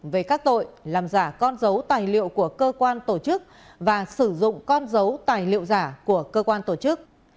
về các tội làm giả con dấu tài liệu của cơ quan tổ chức và sử dụng con dấu tài liệu giả của cơ quan tổ chức